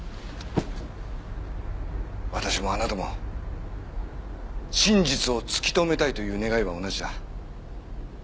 私もあなたも真実を突き止めたいという願いは同じだ。